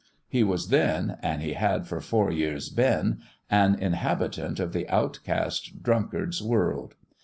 He was then and he had for four years been an inhabitant of the outcast drunkard's world.